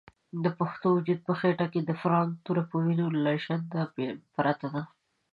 د پښتون وجود په خېټه کې د فرنګ توره په وینو لژنده پرته ده.